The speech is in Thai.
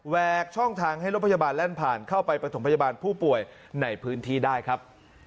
ช่องทางให้รถพยาบาลแล่นผ่านเข้าไปประถมพยาบาลผู้ป่วยในพื้นที่ได้ครับ